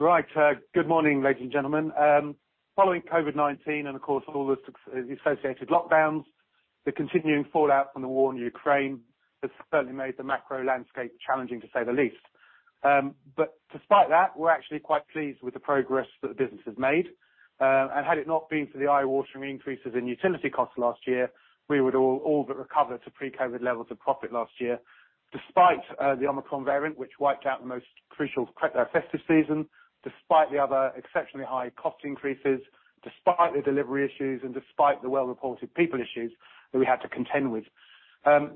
Good morning, ladies and gentlemen. Following COVID-19 and, of course, all the associated lockdowns, the continuing fallout from the war in Ukraine has certainly made the macro landscape challenging, to say the least. Despite that, we're actually quite pleased with the progress that the business has made. Had it not been for the eye-watering increases in utility costs last year, we would all but recover to pre-COVID levels of profit last year, despite the Omicron variant, which wiped out the most crucial festive season, despite the other exceptionally high cost increases, despite the delivery issues, and despite the well-reported people issues that we had to contend with.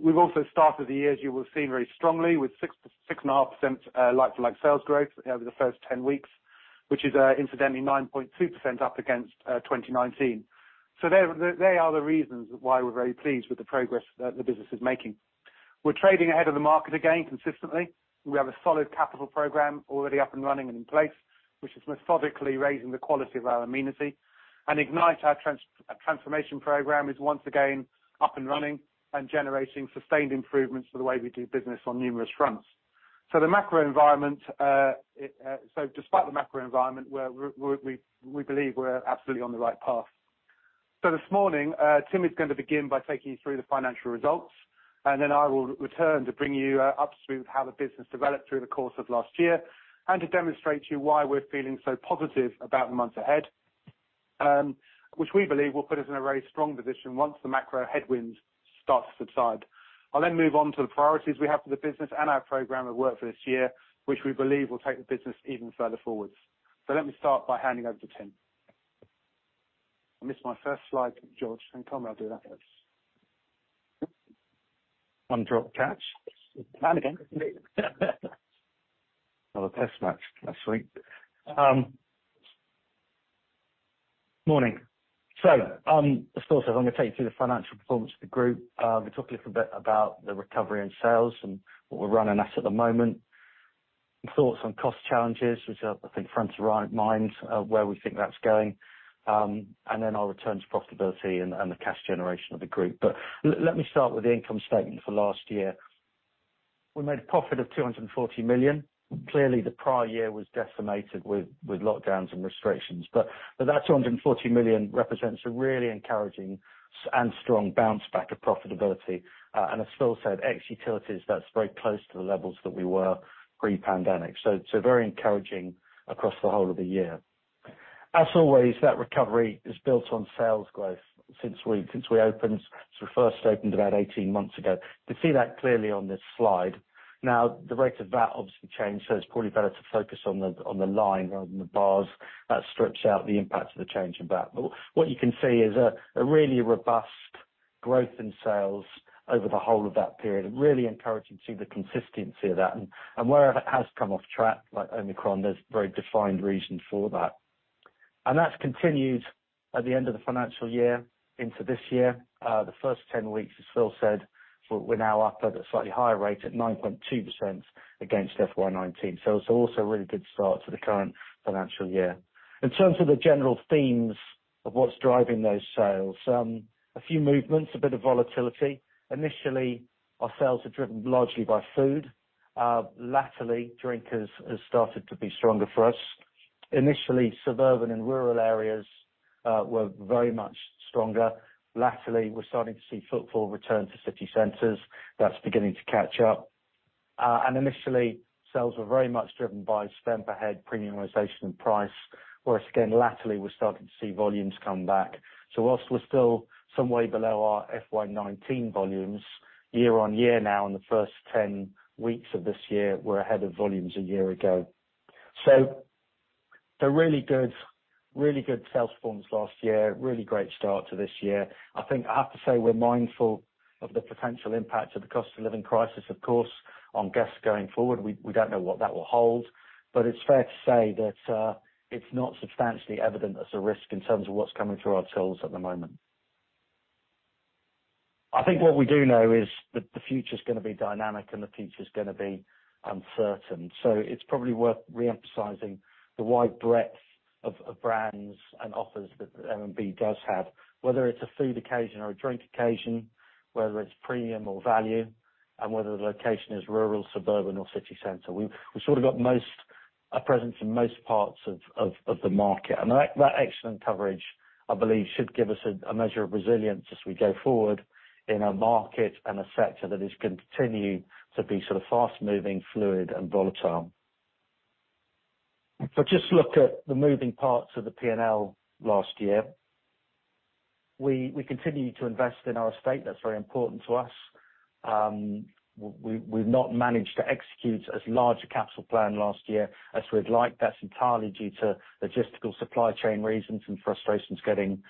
We've also started the year, as you will have seen, very strongly, with 6%-6.5% like-for-like sales growth over the first 10 weeks, which is incidentally 9.2% up against 2019. They are the reasons why we're very pleased with the progress that the business is making. We're trading ahead of the market again consistently. We have a solid capital program already up and running and in place, which is methodically raising the quality of our amenity. Ignite, our transformation program, is once again up and running and generating sustained improvements for the way we do business on numerous fronts. Despite the macro environment, we believe we're absolutely on the right path. This morning, Tim is gonna begin by taking you through the financial results, and then I will return to bring you up to speed with how the business developed through the course of last year and to demonstrate to you why we're feeling so positive about the months ahead, which we believe will put us in a very strong position once the macro headwinds start to subside. I will then move on to the priorities we have for the business and our program of work for this year, which we believe will take the business even further forwards. Let me start by handing over to Tim. I missed my first slide, George. Can you come and do that, please? One drop catch. Managing. Another test match last week. Morning. As Phil said, I'm going to take you through the financial performance of the group. We talk a little bit about the recovery in sales and what we're running at the moment. Some thoughts on cost challenges, which are, I think, front of mind, where we think that's going. Then our return to profitability and the cash generation of the group. Let me start with the income statement for last year. We made a profit of 240 million. Clearly, the prior year was decimated with lockdowns and restrictions. That 240 million represents a really encouraging and strong bounce-back of profitability. As Phil said, ex-utilities, that's very close to the levels that we were pre-pandemic. Very encouraging across the whole of the year. As always, that recovery is built on sales growth since we, since we opened, since we first opened about 18 months ago. You can see that clearly on this slide. Now, the rate of that obviously changed, so it's probably better to focus on the, on the line rather than the bars. That strips out the impact of the change in that. What you can see is a really robust growth in sales over the whole of that period, and really encouraging to see the consistency of that. Where it has come off track, like Omicron, there's a very defined reason for that. That's continued at the end of the financial year into this year. The first 10 weeks, as Phil said, we're now up at a slightly higher rate at 9.2% against FY19. It's also a really good start to the current financial year. In terms of the general themes of what's driving those sales, a few movements, a bit of volatility. Initially, our sales are driven largely by food. Latterly, drink has started to be stronger for us. Initially, suburban and rural areas were very much stronger. Latterly, we're starting to see footfall return to city centers. That's beginning to catch up. Initially, sales were very much driven by spend per head, premiumization, and price, whereas, again, latterly, we're starting to see volumes come back. Whilst we're still some way below our FY19 volumes, year on year now, in the first 10 weeks of this year, we're ahead of volumes a year ago. Really good sales performance last year. Really great start to this year. I think I have to say we're mindful of the potential impact of the cost of living crisis, of course, on guests going forward. We don't know what that will hold, but it's fair to say that, it's not substantially evident as a risk in terms of what's coming through our tills at the moment. I think what we do know is that the future's gonna be dynamic and the future's gonna be uncertain. It's probably worth re-emphasizing the wide breadth of brands and offers that M&B does have, whether it's a food occasion or a drink occasion, whether it's premium or value, and whether the location is rural, suburban, or city center. We've sort of got a presence in most parts of the market. That excellent coverage, I believe, should give us a measure of resilience as we go forward in a market and a sector that is going to continue to be sort of fast-moving, fluid, and volatile. If I just look at the moving parts of the P&L last year, we continue to invest in our estate. That's very important to us. We've not managed to execute as large a capital plan last year as we'd like. That's entirely due to logistical supply chain reasons and frustrations getting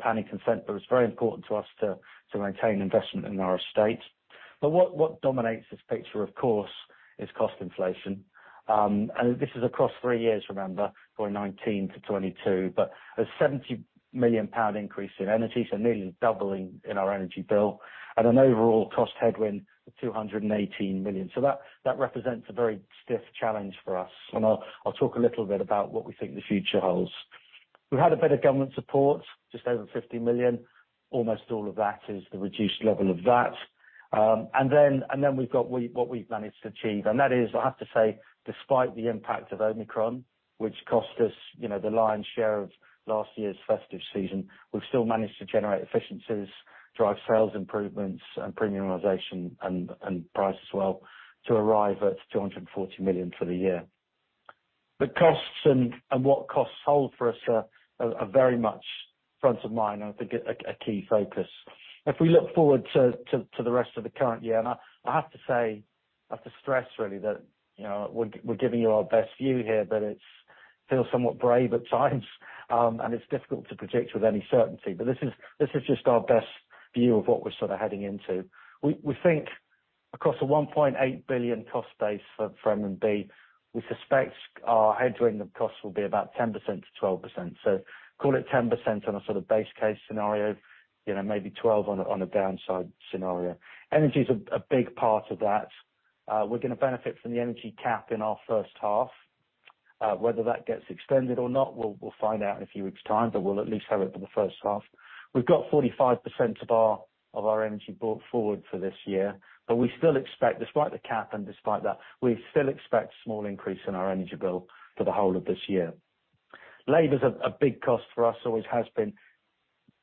planning consent. It's very important to us to maintain investment in our estate. What dominates this picture, of course, is cost inflation. This is across three years, remember, from 2019 to 2022. A 70 million pound increase in energy, so nearly doubling in our energy bill, and an overall cost headwind of 218 million. That represents a very stiff challenge for us. I'll talk a little bit about what we think the future holds. We had a bit of government support, just over 50 million. Almost all of that is the reduced level of that. We've got what we've managed to achieve, and that is, I have to say, despite the impact of Omicron, which cost us, you know, the lion's share of last year's festive season, we've still managed to generate efficiencies, drive sales improvements and premiumization and price as well to arrive at 240 million for the year. The costs and what costs hold for us are very much front of mind, I think a key focus. If we look forward to the rest of the current year, and I have to say, I have to stress really that, you know, we're giving you our best view here, but it's feels somewhat brave at times, and it's difficult to predict with any certainty. This is just our best view of what we're sort of heading into. We think across a 1.8 billion cost base for M&B, we suspect our headwind of costs will be about 10%-12%. Call it 10% on a sort of base case scenario, you know, maybe 12 on a downside scenario. Energy is a big part of that. We're gonna benefit from the energy cap in our first half. Whether that gets extended or not, we'll find out in a few weeks' time, we'll at least have it for the first half. We've got 45% of our energy brought forward for this year, but we still expect, despite the cap and despite that, we still expect a small increase in our energy bill for the whole of this year. Labor is a big cost for us, always has been.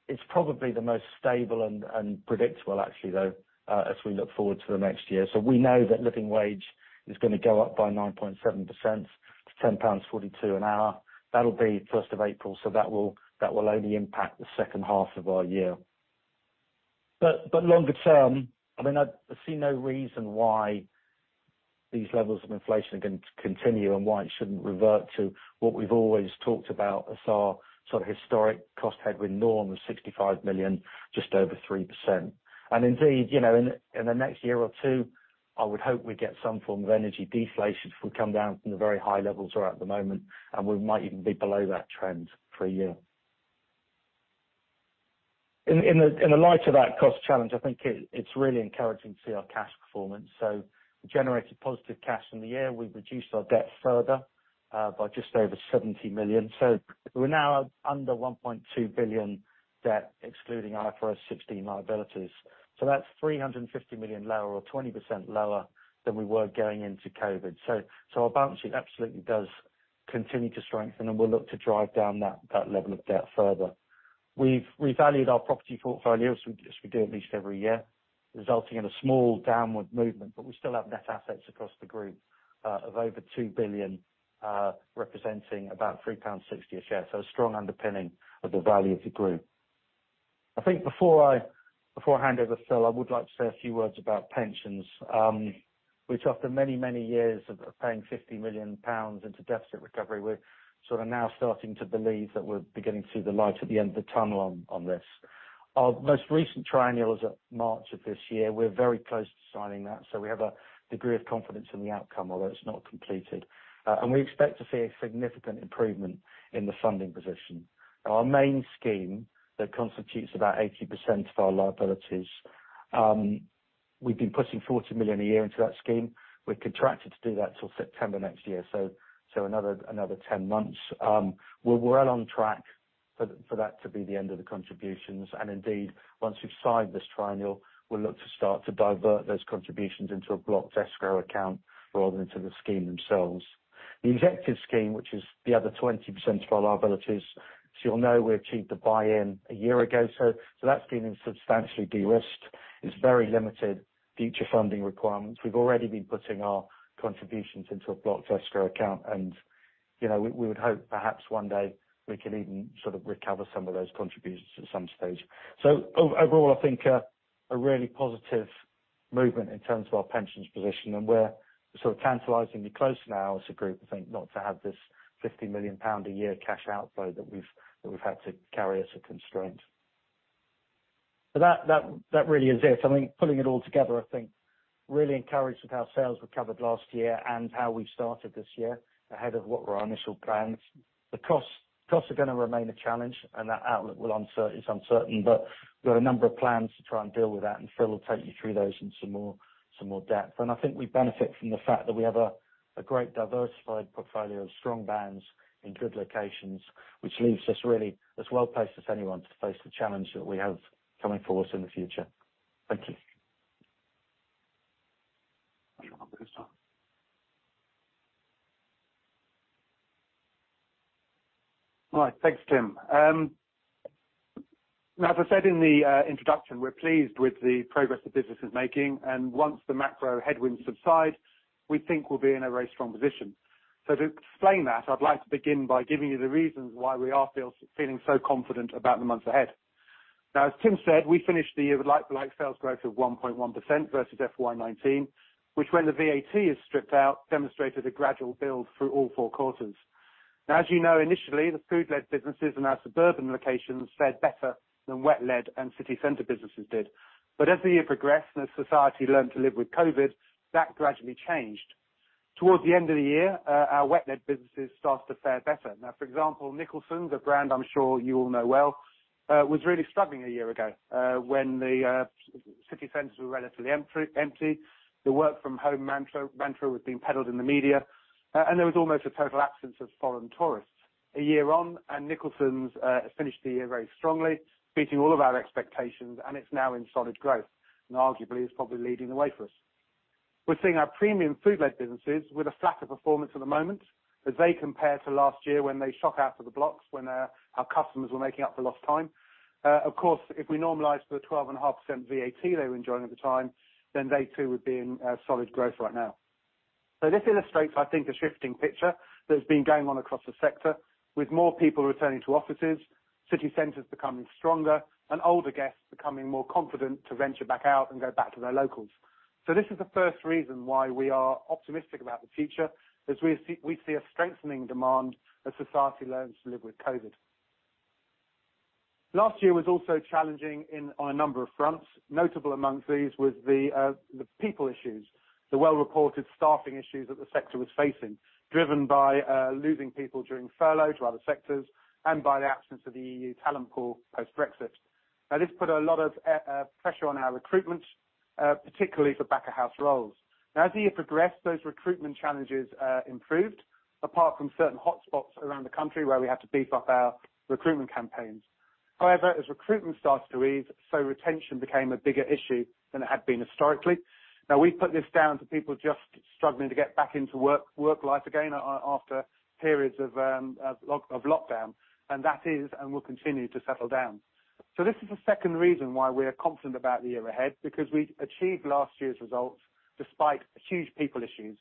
It's probably the most stable and predictable actually, though, as we look forward to the next year. We know that living wage is gonna go up by 9.7% to 10.42 pounds an hour. That'll be first of April, that will only impact the second half of our year. longer term, I mean, I see no reason why these levels of inflation are going to continue and why it shouldn't revert to what we've always talked about as our sort of historic cost headwind norm of 65 million, just over 3%. Indeed, you know, in the next year or two, I would hope we'd get some form of energy deflation if we come down from the very high levels we're at the moment, and we might even be below that trend for a year. In the light of that cost challenge, I think it's really encouraging to see our cash performance. We generated positive cash in the year. We've reduced our debt further by just over 70 million. We're now under 1.2 billion debt, excluding IFRS 16 liabilities. That's 350 million lower or 20% lower than we were going into COVID. Our balance sheet absolutely does continue to strengthen, and we'll look to drive down that level of debt further. We've revalued our property portfolio, as we do at least every year, resulting in a small downward movement, but we still have net assets across the group of over 2 billion, representing about 3.60 pounds a share. A strong underpinning of the value of the group. I think before I hand over to Phil, I would like to say a few words about pensions, which after many years of paying 50 million pounds into deficit recovery, we're sort of now starting to believe that we're beginning to see the light at the end of the tunnel on this. Our most recent triennial is at March of this year. We're very close to signing that. We have a degree of confidence in the outcome, although it's not completed. We expect to see a significant improvement in the funding position. Our main scheme that constitutes about 80% of our liabilities, we've been putting 40 million a year into that scheme. We're contracted to do that till September next year, another 10 months. We're well on track for that to be the end of the contributions. Indeed, once we've signed this triennial, we'll look to start to divert those contributions into a blocked escrow account rather than to the scheme themselves. The executive scheme, which is the other 20% of our liabilities, as you'll know, we achieved a buy-in a year ago, so that's been substantially de-risked. It's very limited future funding requirements. We've already been putting our contributions into a blocked escrow account and, you know, we would hope perhaps one day we can even sort of recover some of those contributions at some stage. Overall, I think a really positive movement in terms of our pensions position and we're sort of tantalizingly close now as a group, I think, not to have this 50 million pound a year cash outflow that we've had to carry as a constraint. That really is it. I mean, pulling it all together, I think really encouraged with how sales recovered last year and how we started this year ahead of what were our initial plans. The costs are gonna remain a challenge and that outlook is uncertain, but we've got a number of plans to try and deal with that. Phil will take you through those in some more depth. I think we benefit from the fact that we have a great diversified portfolio of strong brands in good locations, which leaves us really as well-placed as anyone to face the challenge that we have coming for us in the future. Thank you. All right. Thanks, Tim. As I said in the introduction, we're pleased with the progress the business is making, and once the macro headwinds subside, we think we'll be in a very strong position. To explain that, I'd like to begin by giving you the reasons why we are feeling so confident about the months ahead. As Tim said, we finished the year with like-for-like sales growth of 1.1% versus FY19, which when the VAT is stripped out, demonstrated a gradual build through all four quarters. As you know, initially, the food-led businesses in our suburban locations fared better than wet-led and city center businesses did. As the year progressed and as society learned to live with COVID, that gradually changed. Towards the end of the year, our wet-led businesses started to fare better. Now, for example, Nicholson's, the brand I'm sure you all know well, was really struggling a year ago when the city centers were relatively empty, the work from home mantra was being peddled in the media. There was almost a total absence of foreign tourists. A year on, Nicholson's finished the year very strongly, beating all of our expectations, and it's now in solid growth, and arguably is probably leading the way for us. We're seeing our premium food-led businesses with a flatter performance at the moment as they compare to last year when they shot out of the blocks when our customers were making up for lost time. Of course, if we normalize the 12.5% VAT they were enjoying at the time, then they too would be in solid growth right now. This illustrates, I think, the shifting picture that's been going on across the sector with more people returning to offices, city centers becoming stronger, and older guests becoming more confident to venture back out and go back to their locals. This is the first reason why we are optimistic about the future, as we see a strengthening demand as society learns to live with COVID. Last year was also challenging in, on a number of fronts. Notable amongst these was the people issues, the well-reported staffing issues that the sector was facing, driven by losing people during furlough to other sectors and by the absence of the EU talent pool post-Brexit. This put a lot of pressure on our recruitment, particularly for back-of-house roles. As the year progressed, those recruitment challenges improved, apart from certain hotspots around the country where we had to beef up our recruitment campaigns. As recruitment started to ease, retention became a bigger issue than it had been historically. We put this down to people just struggling to get back into work life again after periods of lockdown, and that is and will continue to settle down. This is the second reason why we are confident about the year ahead, because we achieved last year's results despite huge people issues.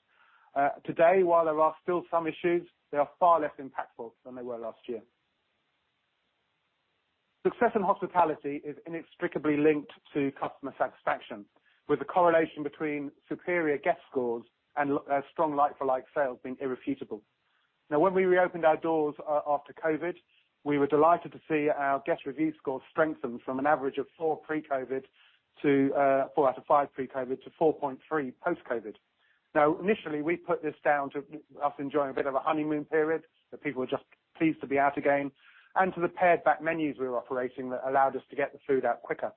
Today, while there are still some issues, they are far less impactful than they were last year. Success in hospitality is inextricably linked to customer satisfaction, with the correlation between superior guest scores and strong like-for-like sales being irrefutable. When we reopened our doors after COVID, we were delighted to see our guest review scores strengthen from an average of 4 pre-COVID to 4 out of 5 pre-COVID to 4.3 post-COVID. Initially, we put this down to us enjoying a bit of a honeymoon period, that people were just pleased to be out again, and to the pared-back menus we were operating that allowed us to get the food out quicker.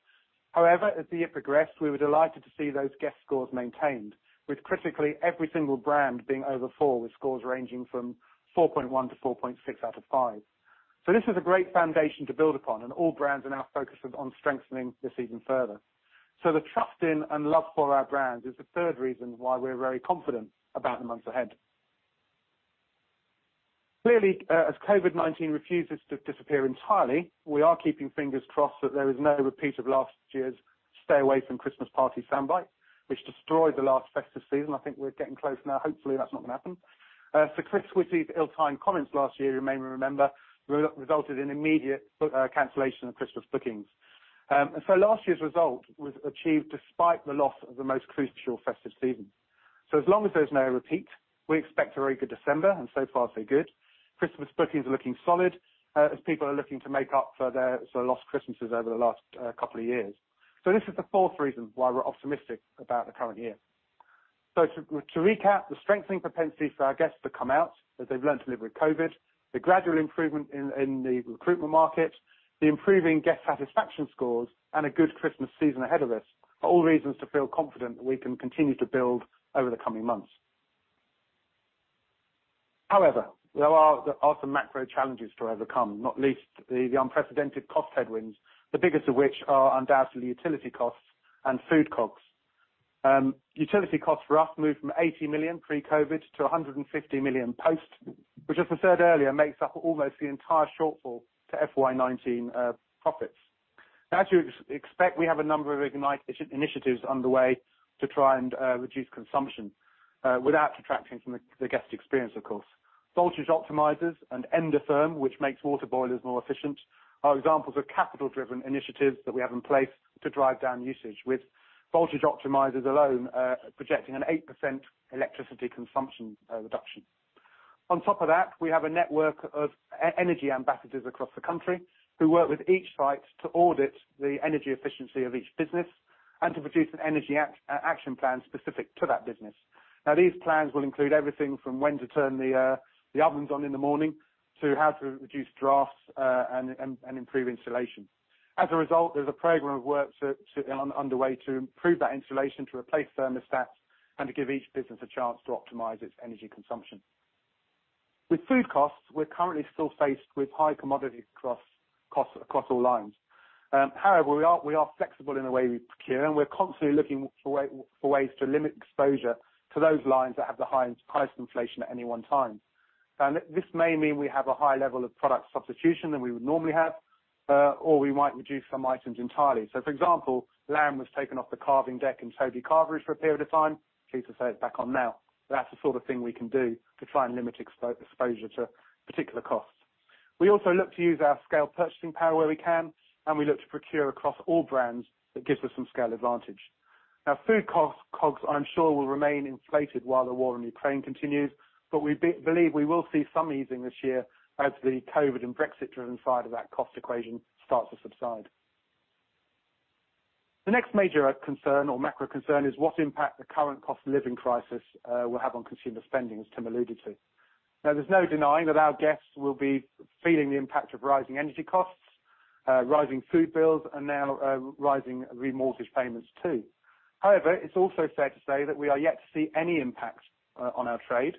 However, as the year progressed, we were delighted to see those guest scores maintained, with critically every single brand being over 4, with scores ranging from 4.1 to 4.6 out of 5. This is a great foundation to build upon, and all brands are now focusing on strengthening this even further. The trust in and love for our brands is the third reason why we're very confident about the months ahead. Clearly, as COVID-19 refuses to disappear entirely, we are keeping fingers crossed that there is no repeat of last year's stay away from Christmas party soundbite, which destroyed the last festive season. I think we're getting close now. Hopefully, that's not gonna happen. Sir Chris Whitty's ill-timed comments last year, you may remember, resulted in immediate cancellation of Christmas bookings. Last year's result was achieved despite the loss of the most crucial festive season. As long as there's no repeat, we expect a very good December, and so far, so good. Christmas bookings are looking solid, as people are looking to make up for their sort of lost Christmases over the last couple of years. This is the fourth reason why we're optimistic about the current year. To recap, the strengthening propensity for our guests to come out as they've learned to live with COVID, the gradual improvement in the recruitment market, the improving guest satisfaction scores, and a good Christmas season ahead of us, are all reasons to feel confident that we can continue to build over the coming months. However, there are some macro challenges to overcome, not least the unprecedented cost headwinds, the biggest of which are undoubtedly utility costs and food COGS. Utility costs for us moved from 80 million pre-COVID to 150 million post, which as I said earlier, makes up almost the entire shortfall to FY19 profits. As you expect, we have a number of initiatives underway to try and reduce consumption without detracting from the guest experience, of course. Voltage optimizers and EndoTherm, which makes water boilers more efficient, are examples of capital-driven initiatives that we have in place to drive down usage, with voltage optimizers alone projecting an 8% electricity consumption reduction. On top of that, we have a network of energy ambassadors across the country who work with each site to audit the energy efficiency of each business and to produce an energy action plan specific to that business. These plans will include everything from when to turn the ovens on in the morning, to how to reduce drafts and improve insulation. There's a program of work underway to improve that insulation, to replace thermostats, and to give each business a chance to optimize its energy consumption. With food costs, we're currently still faced with high commodity costs across all lines. However, we are flexible in the way we procure, and we're constantly looking for ways to limit exposure to those lines that have the highest price inflation at any one time. This may mean we have a higher level of product substitution than we would normally have, or we might reduce some items entirely. For example, lamb was taken off the carving deck in Toby Carvery for a period of time. Pleased to say it's back on now. That's the sort of thing we can do to try and limit exposure to particular costs. We also look to use our scale purchasing power where we can, we look to procure across all brands that gives us some scale advantage. Food costs, COGS, I'm sure, will remain inflated while the war in Ukraine continues, we believe we will see some easing this year as the COVID and Brexit-driven side of that cost equation starts to subside. The next major concern or macro concern is what impact the current cost of living crisis will have on consumer spending, as Tim alluded to. There's no denying that our guests will be feeling the impact of rising energy costs, rising food bills, and now rising remortgage payments too. It's also fair to say that we are yet to see any impact on our trade,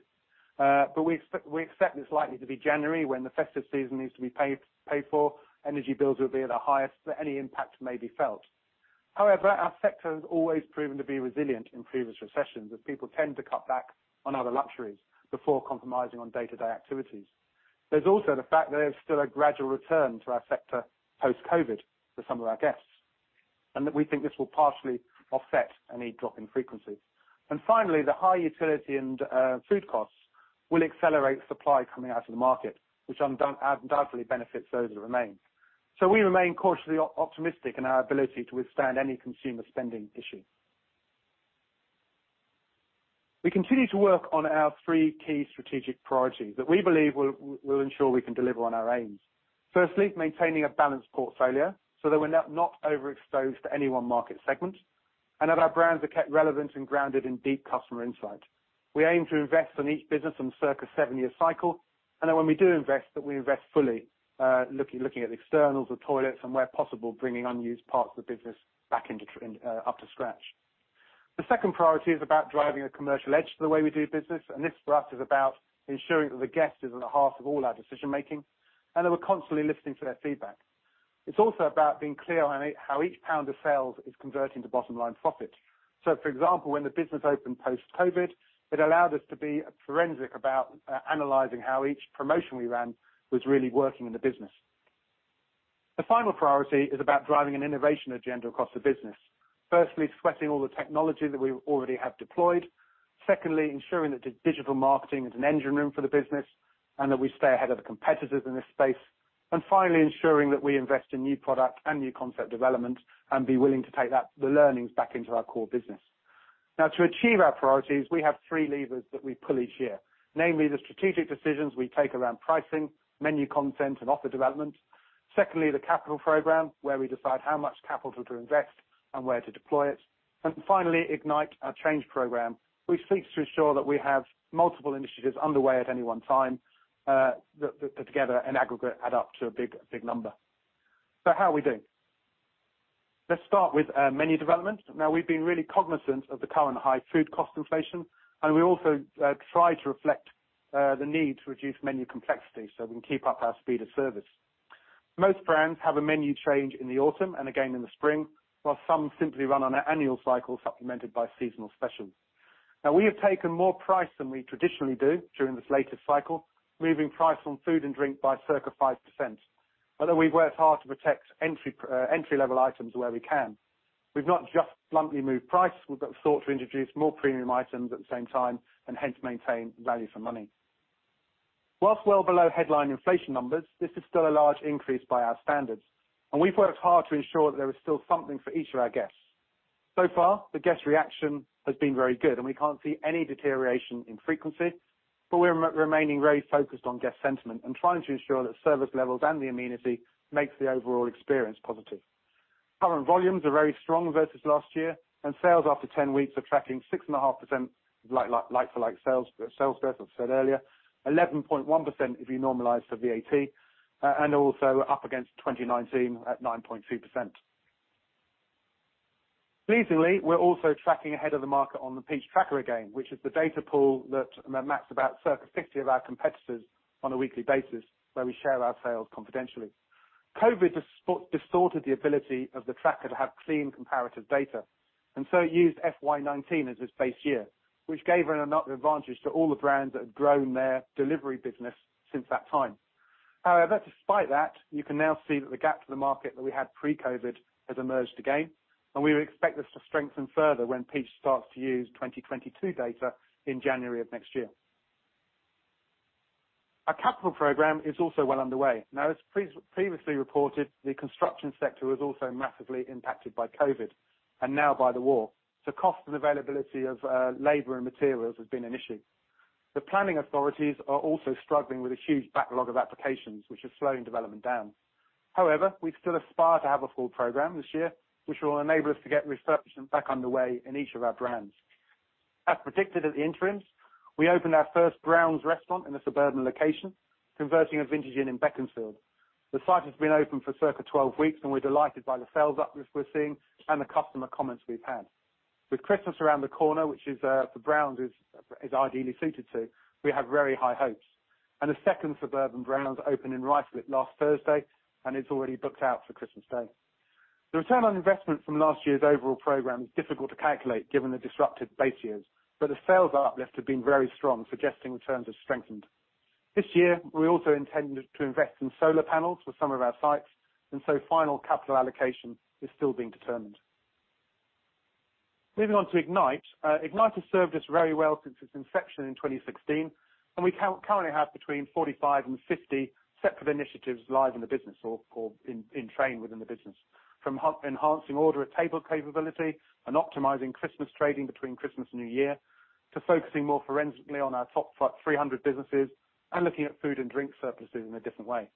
but we expect this likely to be January when the festive season needs to be paid for, energy bills will be at the highest that any impact may be felt. Our sector has always proven to be resilient in previous recessions, as people tend to cut back on other luxuries before compromising on day-to-day activities. There's also the fact that there's still a gradual return to our sector post-COVID for some of our guests, and that we think this will partially offset any drop in frequency. Finally, the high utility and food costs will accelerate supply coming out of the market, which undoubtedly benefits those that remain. We remain cautiously optimistic in our ability to withstand any consumer spending issue. We continue to work on our three key strategic priorities that we believe will ensure we can deliver on our aims. Firstly, maintaining a balanced portfolio so that we're not overexposed to any one market segment, and that our brands are kept relevant and grounded in deep customer insight. We aim to invest in each business on circa seven-year cycle, and that when we do invest, that we invest fully, looking at the externals, the toilets, and where possible, bringing unused parts of the business back up to scratch. The second priority is about driving a commercial edge to the way we do business, and this for us is about ensuring that the guest is at the heart of all our decision-making, and that we're constantly listening to their feedback. It's also about being clear on how each pound of sales is converting to bottom line profit. For example, when the business opened post-COVID, it allowed us to be forensic about analyzing how each promotion we ran was really working in the business. The final priority is about driving an innovation agenda across the business. Firstly, sweating all the technology that we already have deployed. Secondly, ensuring that digital marketing is an engine room for the business, and that we stay ahead of the competitors in this space. Finally, ensuring that we invest in new product and new concept development and be willing to take that, the learnings back into our core business. To achieve our priorities, we have three levers that we pull each year, namely the strategic decisions we take around pricing, menu content, and offer development. Secondly, the capital program, where we decide how much capital to invest and where to deploy it. Finally, Ignite, our change program, which seeks to ensure that we have multiple initiatives underway at any one time, that together in aggregate add up to a big, big number. How are we doing? Let's start with menu development. We've been really cognizant of the current high food cost inflation, and we also try to reflect the need to reduce menu complexity so we can keep up our speed of service. Most brands have a menu change in the autumn and again in the spring, whilst some simply run on an annual cycle supplemented by seasonal specials. Now, we have taken more price than we traditionally do during this latest cycle, moving price on food and drink by circa 5%, although we've worked hard to protect entry-level items where we can. We've not just bluntly moved price, but sought to introduce more premium items at the same time and hence maintain value for money. Whilst well below headline inflation numbers, this is still a large increase by our standards, and we've worked hard to ensure that there is still something for each of our guests. So far, the guest reaction has been very good, and we can't see any deterioration in frequency, but we're remaining very focused on guest sentiment and trying to ensure that service levels and the amenity makes the overall experience positive. Current volumes are very strong versus last year. Sales after 10 weeks are tracking 6.5% like-for-like sales growth, as I said earlier, 11.1% if you normalize for VAT, also up against 2019 at 9.2%. Pleasingly, we're also tracking ahead of the market on the Peach Tracker again, which is the data pool that maps about circa 60 of our competitors on a weekly basis where we share our sales confidentially. COVID has distorted the ability of the tracker to have clean comparative data, so it used FY19 as its base year, which gave an advantage to all the brands that had grown their delivery business since that time. Despite that, you can now see that the gap to the market that we had pre-COVID has emerged again, and we would expect this to strengthen further when Peach starts to use 2022 data in January of next year. Our capital program is also well underway. As previously reported, the construction sector was also massively impacted by COVID and now by the war, so cost and availability of labor and materials has been an issue. The planning authorities are also struggling with a huge backlog of applications, which is slowing development down. We still aspire to have a full program this year, which will enable us to get refurbishment back underway in each of our brands. As predicted at the interims, we opened our first Browns restaurant in a suburban location, converting a Vintage Inn in Beaconsfield. The site has been open for circa 12 weeks, We're delighted by the sales uplift we're seeing and the customer comments we've had. With Christmas around the corner, which is for Browns is ideally suited to, we have very high hopes. A second suburban Browns opened in Ruislip last Thursday, and it's already booked out for Christmas Day. The ROI from last year's overall program is difficult to calculate given the disruptive base years, but the sales uplift have been very strong, suggesting returns have strengthened. This year, we also intend to invest in solar panels for some of our sites. Final capital allocation is still being determined. Moving on to Ignite. Ignite has served us very well since its inception in 2016, and we currently have between 45 and 50 separate initiatives live in the business or in train within the business, from enhancing order of table capability and optimizing Christmas trading between Christmas and New Year, to focusing more forensically on our top 300 businesses and looking at food and drink surpluses in a different way.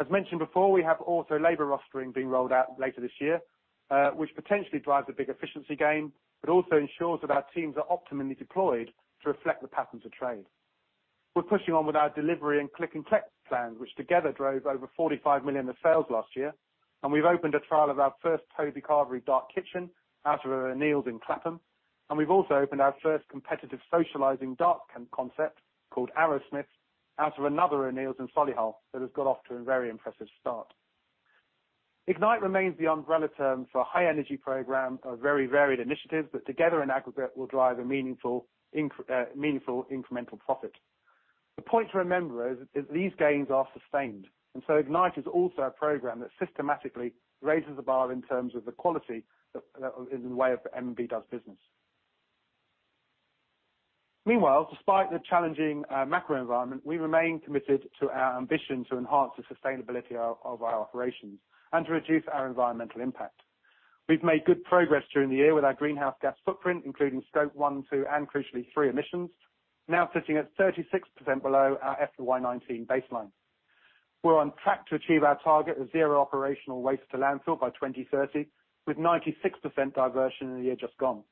As mentioned before, we have also labor rostering being rolled out later this year, which potentially drives a big efficiency gain, but also ensures that our teams are optimally deployed to reflect the patterns of trade. We're pushing on with our delivery and click and collect plan, which together drove over 45 million in sales last year. We've opened a trial of our first Toby Carvery dark kitchen out of O'Neill's in Clapham. We've also opened our first competitive socializing dark concept called Arrowsmiths out of another O'Neill's in Solihull that has got off to a very impressive start. Ignite remains the umbrella term for a high energy program of very varied initiatives. Together in aggregate will drive a meaningful incremental profit. The point to remember is these gains are sustained. Ignite is also a program that systematically raises the bar in terms of the quality that in the way that M&B does business. Meanwhile, despite the challenging macro environment, we remain committed to our ambition to enhance the sustainability of our operations and to reduce our environmental impact. We've made good progress during the year with our greenhouse gas footprint, including Scope 1, 2, and crucially, 3 emissions, now sitting at 36% below our FY19 baseline. We're on track to achieve our target of zero operational waste to landfill by 2030, with 96% diversion in the year just gone.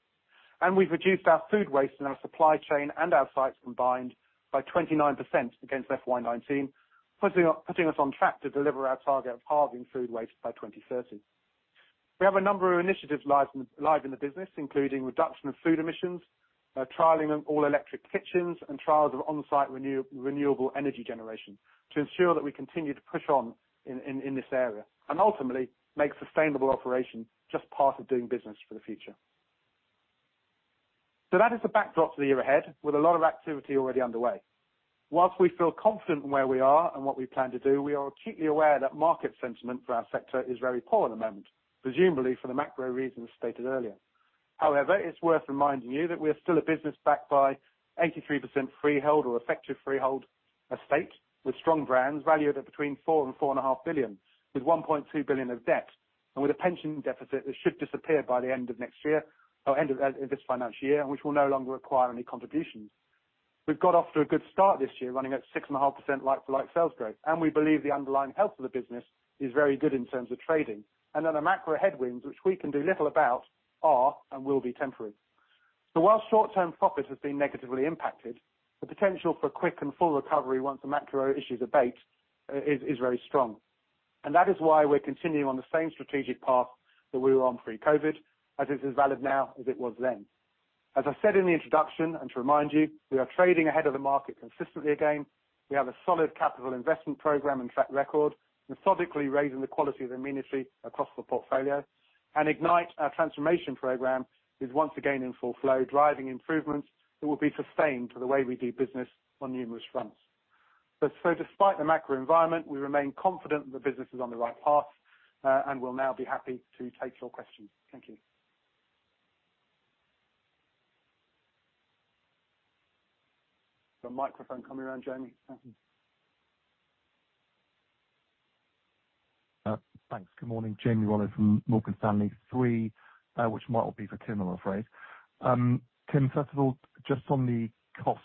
We've reduced our food waste in our supply chain and our sites combined by 29% against FY19, putting us on track to deliver our target of halving food waste by 2030. We have a number of initiatives live in the business, including reduction of food emissions, trialing of all electric kitchens, and trials of on-site renewable energy generation to ensure that we continue to push on in this area, and ultimately make sustainable operations just part of doing business for the future. That is the backdrop to the year ahead with a lot of activity already underway. Whilst we feel confident in where we are and what we plan to do, we are acutely aware that market sentiment for our sector is very poor at the moment, presumably for the macro reasons stated earlier. It's worth reminding you that we are still a business backed by 83% freehold or effective freehold estate with strong brands valued at between 4 billion and 4.5 billion, with 1.2 billion of debt, and with a pension deficit that should disappear by the end of next year, or end of this financial year, and which will no longer require any contributions. We've got off to a good start this year, running at 6.5% like-for-like sales growth, we believe the underlying health of the business is very good in terms of trading. The macro headwinds, which we can do little about, are and will be temporary. While short-term profit has been negatively impacted, the potential for quick and full recovery once the macro issues abate, is very strong. That is why we're continuing on the same strategic path that we were on pre-COVID, as it is valid now as it was then. As I said in the introduction, and to remind you, we are trading ahead of the market consistently again. We have a solid capital investment program and track record, methodically raising the quality of amenity across the portfolio. Ignite, our transformation program, is once again in full flow, driving improvements that will be sustained for the way we do business on numerous fronts. Despite the macro environment, we remain confident the business is on the right path, and we'll now be happy to take your questions. Thank you. Is the microphone coming around, Jamie? Thank you. Thanks. Good morning, Jamie Rollo from Morgan Stanley. Three, which might all be for Tim, I'm afraid. Tim, first of all, just on the cost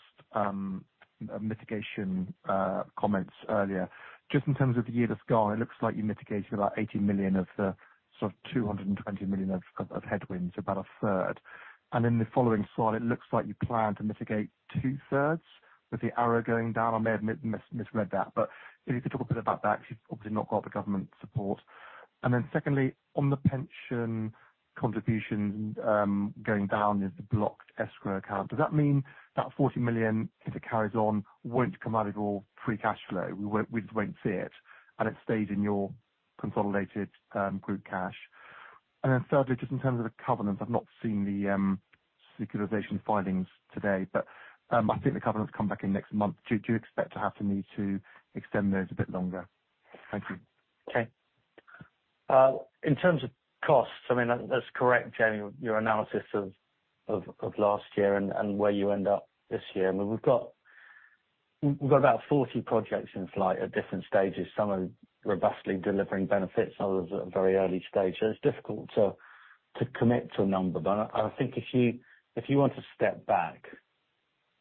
mitigation comments earlier, just in terms of the year that's gone, it looks like you mitigated about 80 million of the sort of 220 million headwinds, about a third. In the following slide, it looks like you plan to mitigate two-thirds with the arrow going down. I may have misread that, if you could talk a bit about that, because you've obviously not got the government support. Secondly, on the pension contributions, going down into the blocked escrow account, does that mean that 40 million, if it carries on, won't come out of all free cash flow? We won't, we just won't see it, and it stays in your consolidated group cash? Thirdly, just in terms of the covenant, I've not seen the securitization filings today, I think the covenants come back in next month. Do you expect to have the need to extend those a bit longer? Thank you. Okay. I mean, in terms of costs, that's correct, Jamie, your analysis of last year and where you end up this year. I mean, we've got about 40 projects in flight at different stages. Some are robustly delivering benefits, others are at a very early stage. It's difficult to commit to a number. I think if you want to step back,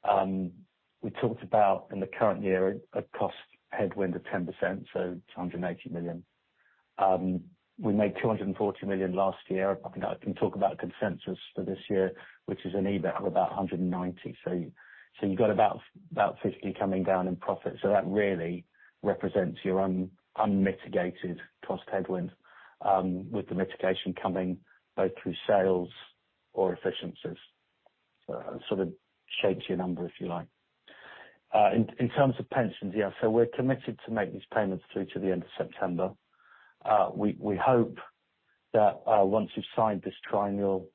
we talked about in the current year a cost headwind of 10%, so 280 million. We made 240 million last year. I think I can talk about consensus for this year, which is an EBIT of about 190 million. You've got about 50 million coming down in profit. That really represents your unmitigated cost headwind, with the mitigation coming both through sales or efficiencies. Sort of shapes your number, if you like. In terms of pensions, yeah, we're committed to make these payments through to the end of September. We hope that once we've signed this triennial,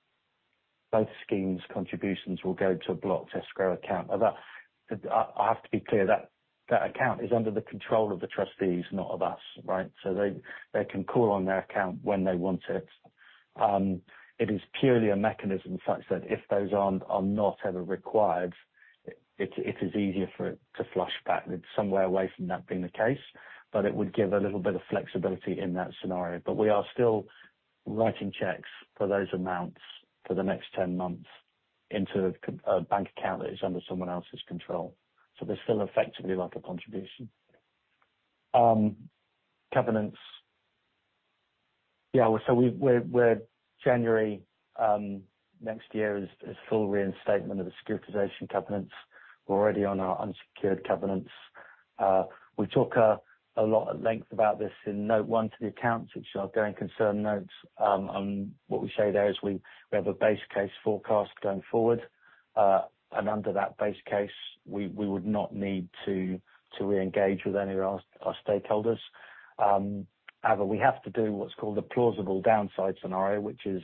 both schemes' contributions will go to a blocked escrow account. That, I have to be clear, that account is under the control of the trustees, not of us, right? They can call on their account when they want it. It is purely a mechanism such that if those are not ever required, it is easier for it to flush back. It's somewhere away from that being the case, but it would give a little bit of flexibility in that scenario. We are still writing checks for those amounts for the next 10 months. Into a bank account that is under someone else's control. There's still effectively like a contribution. Covenants. Yeah, so we're January next year is full reinstatement of the securitization covenants, we're already on our unsecured covenants. We talk a lot at length about this in note one to the accounts, which are going concern notes. What we say there is we have a base case forecast going forward. Under that base case, we would not need to re-engage with any of our stakeholders. However, we have to do what's called a plausible downside scenario, which is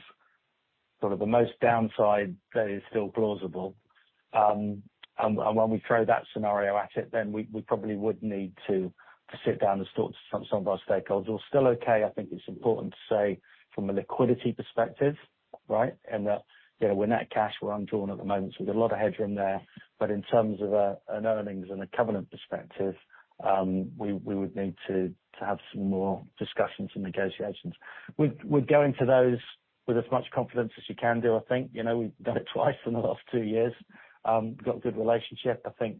sort of the most downside that is still plausible. When we throw that scenario at it, then we probably would need to sit down and talk to some of our stakeholders. We're still okay, I think it's important to say from a liquidity perspective, right? In that, you know, we're net cash, we're undrawn at the moment, so we've got a lot of headroom there. In terms of an earnings and a covenant perspective, we would need to have some more discussions and negotiations. We'd go into those with as much confidence as you can do, I think. You know, we've done it twice in the last two years. We've got a good relationship. I think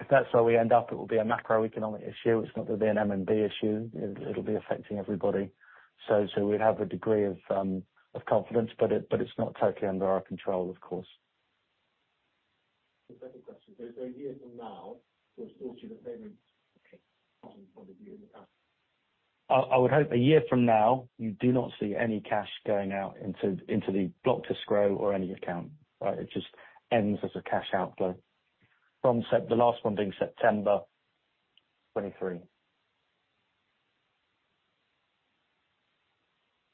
if that's where we end up, it will be a macroeconomic issue, it's not going to be an M&B issue. It'll be affecting everybody. We'd have a degree of confidence, but it's not totally under our control, of course. The second question. A year from now, we're still doing the payments from the view in the past. I would hope a year from now you do not see any cash going out into the blocked escrow or any account. Right? It just ends as a cash outflow from the last one being September 23.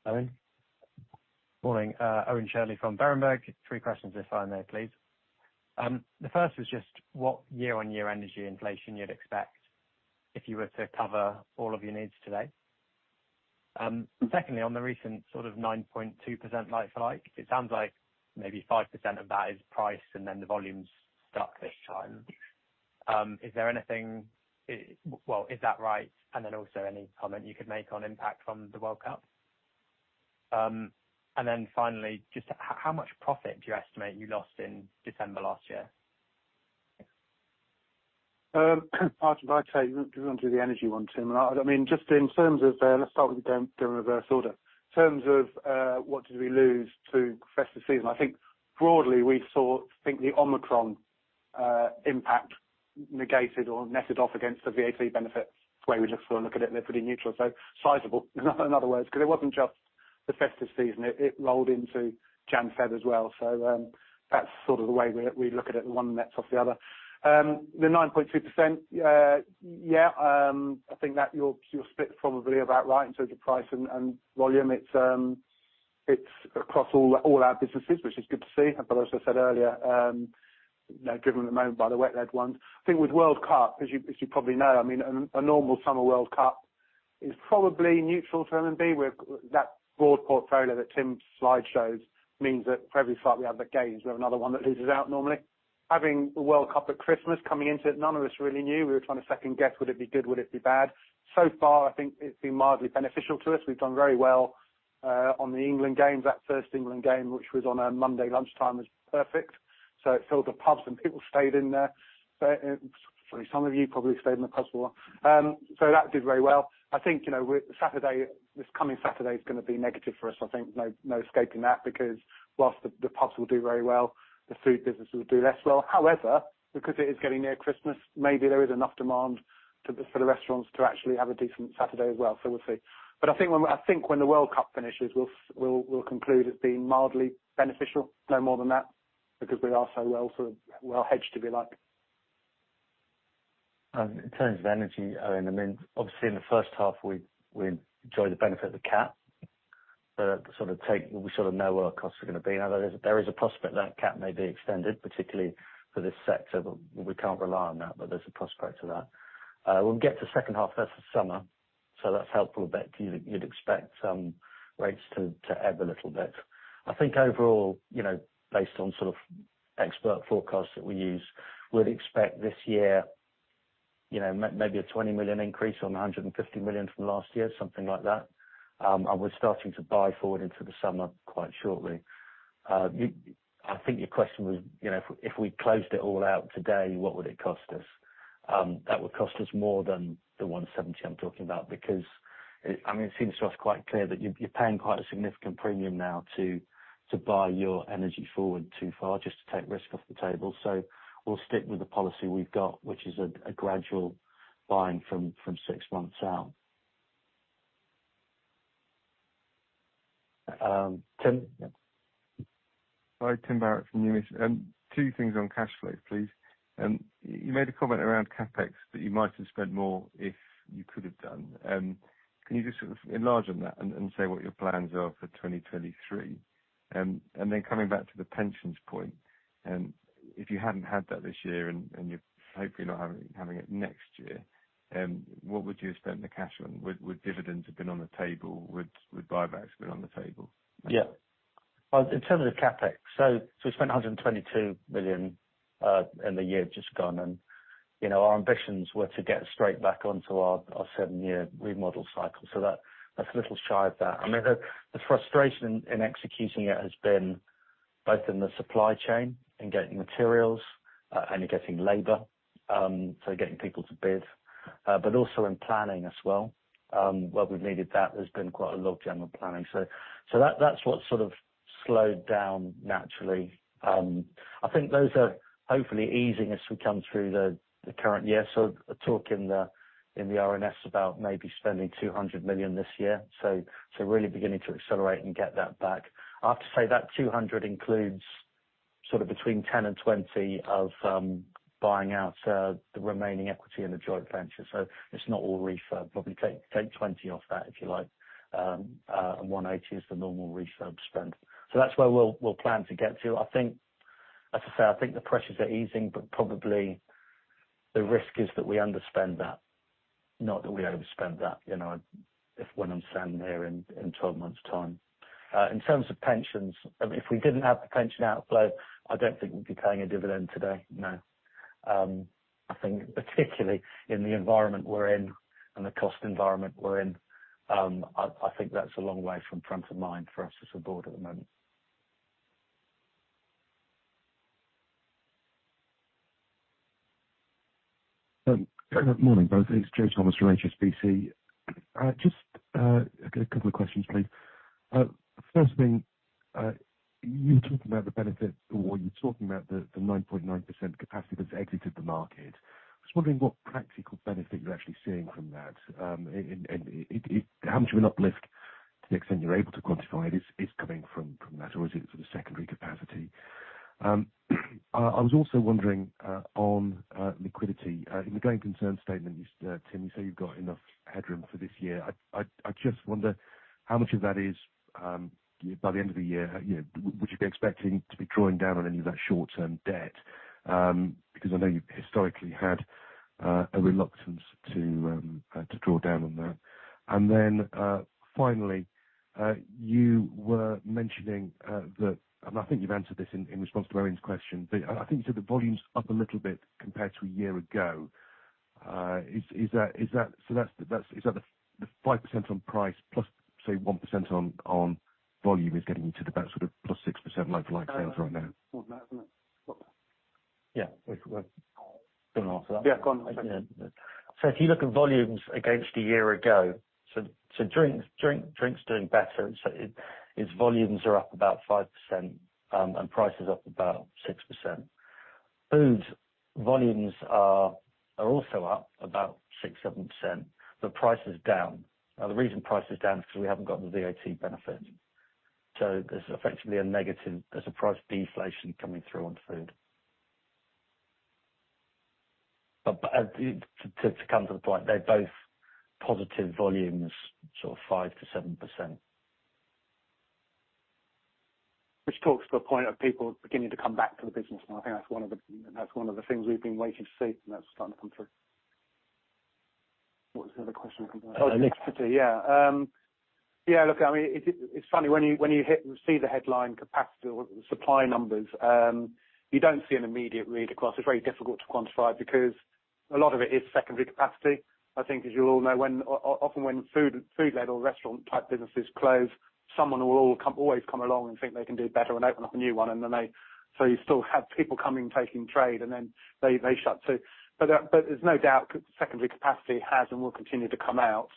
Owen? Morning, Owen Shirley from Berenberg. Three questions if I may, please. The first was just what year-on-year energy inflation you'd expect if you were to cover all of your needs today. Secondly, on the recent sort of 9.2% like-for-like, it sounds like maybe 5% of that is price and then the volume's stuck this time. Well, is that right? Also any comment you could make on impact from the World Cup. Finally, just how much profit do you estimate you lost in December last year? If I tell you, do you want to do the energy one, Tim? I mean, just in terms of let's start with go in reverse order. In terms of what did we lose to festive season? I think broadly, we saw, I think the Omicron impact negated or netted off against the VAT benefit, the way we look at it, and they're pretty neutral. Sizable, in other words, because it wasn't just the festive season, it rolled into Jan, Feb as well. That's sort of the way we look at it, one nets off the other. The 9.2%, yeah, I think that your split is probably about right in terms of price and volume. It's across all our businesses, which is good to see. As I said earlier, you know, driven at the moment by the wet led ones. I think with World Cup, as you, as you probably know, a normal summer World Cup is probably neutral to M&B. With that broad portfolio that Tim's slide shows means that for every site we have that gains, we have another one that loses out normally. Having the World Cup at Christmas coming into it, none of us really knew. We were trying to second guess, would it be good? Would it be bad? So far, I think it's been mildly beneficial to us. We've done very well on the England games. That first England game, which was on a Monday lunchtime was perfect. It filled the pubs and people stayed in there. Sorry, some of you probably stayed in the pub more. That did very well. I think, you know, with Saturday, this coming Saturday is gonna be negative for us. I think no escaping that because whilst the pubs will do very well, the food business will do less well. However, because it is getting near Christmas, maybe there is enough demand for the restaurants to actually have a decent Saturday as well. We'll see. I think when the World Cup finishes, we'll conclude as being mildly beneficial. No more than that, because we are so well sort of well hedged, if you like. In terms of energy, Owen, obviously in the first half we enjoyed the benefit of the cap. We know where costs are going to be. There is a prospect that cap may be extended, particularly for this sector, but we can't rely on that. There's a prospect to that. We'll get to second half, that's the summer, that's helpful, but you'd expect some rates to ebb a little bit. I think overall, you know, based on expert forecasts that we use, we'd expect this year, you know, maybe a 20 million increase on the 150 million from last year, something like that. We're starting to buy forward into the summer quite shortly. I think your question was, you know, if we closed it all out today, what would it cost us? That would cost us more than the 170 I'm talking about because, I mean, it seems to us quite clear that you're paying quite a significant premium now to buy your energy forward too far just to take risk off the table. We'll stick with the policy we've got, which is a gradual buying from six months out. Tim, yeah. Hi, Tim Barrett from Numis. Two things on cash flow, please. You made a comment around CapEx that you might have spent more if you could have done. Can you just sort of enlarge on that and say what your plans are for 2023? Coming back to the pensions point, if you hadn't had that this year and you're hopefully not having it next year, what would you have spent the cash on? Would dividends have been on the table? Would buybacks have been on the table? Well, in terms of CapEx, so we spent 122 million in the year just gone. You know, our ambitions were to get straight back onto our seven-year remodel cycle. That's a little shy of that. I mean, the frustration in executing it has been both in the supply chain, in getting materials and getting labor, so getting people to bid, but also in planning as well. Where we've needed that, there's been quite a lot of general planning. So that's what sort of slowed down naturally. I think those are hopefully easing as we come through the current year. Talking in the RNS about maybe spending 200 million this year, so really beginning to accelerate and get that back. I have to say that 200 includes sort of between 10 and 20 of buying out the remaining equity in the joint venture. It's not all refurb. Probably take 20 off that, if you like. 180 is the normal refurb spend. That's where we'll plan to get to. As I say, I think the pressures are easing, but probably the risk is that we underspend that, not that we overspend that, you know, if when I'm standing here in 12 months' time. In terms of pensions, I mean, if we didn't have the pension outflow, I don't think we'd be paying a dividend today. No. I think particularly in the environment we're in and the cost environment we're in, I think that's a long way from front of mind for us as a board at the moment. Good morning, both. It's Joseph Thomas from HSBC. Just a couple of questions, please. First being, you talked about the benefit or you're talking about the 9.9% capacity that's exited the market. I was wondering what practical benefit you're actually seeing from that, and it, how much of an uplift, to the extent you're able to quantify it, is coming from that, or is it sort of secondary capacity? I was also wondering on liquidity. In the going concern statement, you, Tim, you say you've got enough headroom for this year. I just wonder how much of that is, by the end of the year, you know, would you be expecting to be drawing down on any of that short-term debt? Because I know you've historically had a reluctance to draw down on that. Finally, you were mentioning that I think you've answered this in response to Iain's question, but I think you said the volume's up a little bit compared to a year ago. Is that, so that's the is that the 5% on price plus, say, 1% on volume is getting you to the about sort of +6% like-for-like sales right now? Yeah. Do you wanna answer that? Yeah. Go on. If you look at volumes against a year ago, drink's doing better. Its volumes are up about 5%, and price is up about 6%. Food volumes are also up about 6%, 7%. The price is down. The reason price is down is because we haven't got the VAT benefit. There's effectively a price deflation coming through on food. As to come to the point, they're both positive volumes, sort of 5%-7%. Which talks to the point of people beginning to come back to the business now. I think that's one of the things we've been waiting to see, and that's starting to come through. What was the other question? Oh, liquidity. Liquidity, yeah. Yeah, look, I mean, it's funny, when you hit, see the headline capacity or supply numbers, you don't see an immediate read across. It's very difficult to quantify because a lot of it is secondary capacity. I think as you all know, when often when food led or restaurant type businesses close, someone will always come along and think they can do better and open up a new one, and then they. You still have people coming, taking trade, and then they shut too. There's no doubt secondary capacity has and will continue to come out,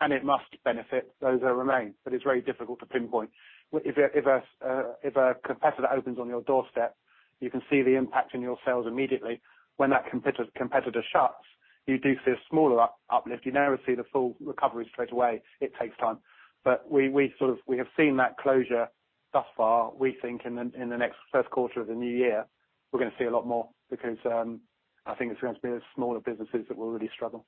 and it must benefit those that remain. It's very difficult to pinpoint. If a competitor opens on your doorstep, you can see the impact in your sales immediately. When that competitor shuts, you do see a smaller uplift. You never see the full recovery straight away. It takes time. We sort of, we have seen that closure thus far. We think in the next first quarter of the new year, we're gonna see a lot more because I think it's going to be the smaller businesses that will really struggle.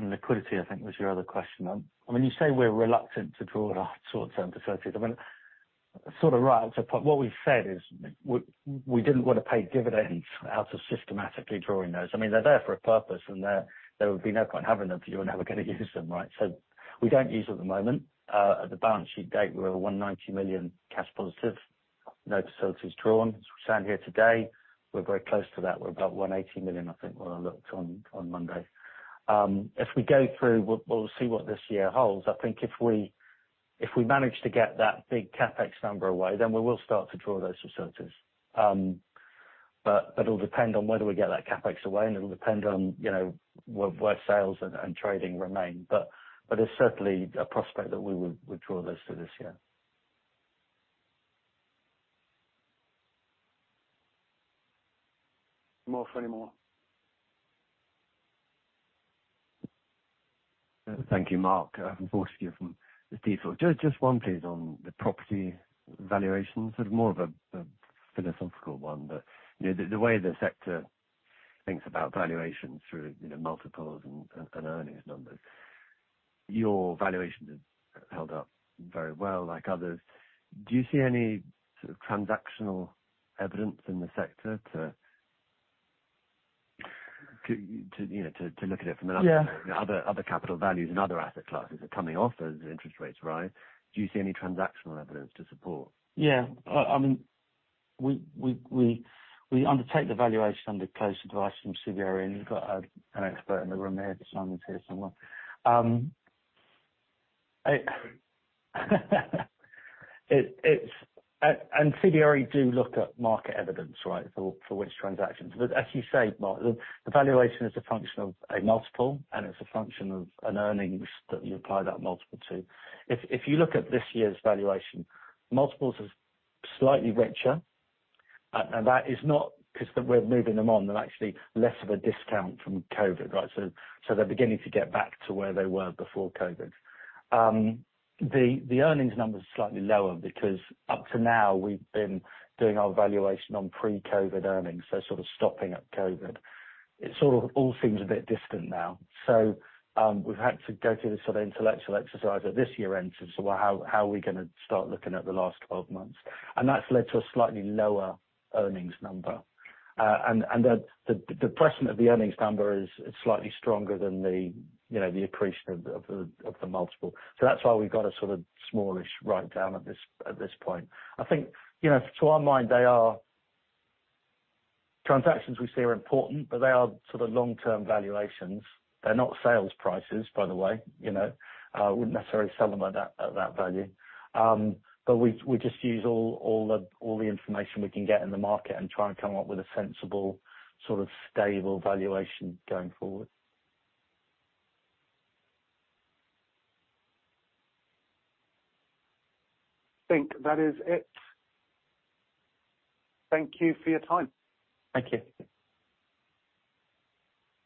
Liquidity, I think, was your other question. I mean, you say we're reluctant to draw down short-term facilities. I mean, sort of right up to a point. What we've said is we didn't wanna pay dividends out of systematically drawing those. I mean, they're there for a purpose, and there would be no point having them if you were never gonna use them, right? We don't use at the moment. At the balance sheet date, we were 190 million cash positive, no facilities drawn. As we stand here today, we're very close to that. We're about 180 million, I think, when I looked on Monday. If we go through, we'll see what this year holds. I think if we manage to get that big CapEx number away, then we will start to draw those facilities. It'll depend on whether we get that CapEx away, and it'll depend on, you know, where sales and trading remain. There's certainly a prospect that we'd draw those for this year. David, any more? Thank you, David Buckley from T. Rowe. Just one please on the property valuations, sort of more of a philosophical one. You know, the way the sector thinks about valuations through, you know, multiples and earnings numbers, your valuations have held up very well like others. Do you see any sort of transactional evidence in the sector to? To, you know, to look at it from Yeah other capital values and other asset classes are coming off as interest rates rise. Do you see any transactional evidence to support? Yeah. I mean, we undertake the valuation under close advice from CBRE, and we've got an expert in the room here. Simon's here somewhere. CBRE do look at market evidence, right? For which transactions. As you say, Mark, the valuation is a function of a multiple, and it's a function of an earnings that you apply that multiple to. If you look at this year's valuation, multiples are slightly richer. That is not 'cause we're moving them on. They're actually less of a discount from COVID, right? They're beginning to get back to where they were before COVID. The earnings numbers are slightly lower because up to now we've been doing our valuation on pre-COVID earnings, so sort of stopping at COVID. It sort of all seems a bit distant now. We've had to go through this sort of intellectual exercise at this year's end of, how are we gonna start looking at the last 12 months? That's led to a slightly lower earnings number. The depression of the earnings number is slightly stronger than the, you know, appreciation of the multiple. That's why we've got a sort of smallish write down at this point. I think, you know, to our mind, they are, transactions we see are important, but they are sort of long-term valuations. They're not sales prices, by the way, you know. We wouldn't necessarily sell them at that value. We just use all the information we can get in the market and try and come up with a sensible, sort of stable valuation going forward. I think that is it. Thank you for your time. Thank you.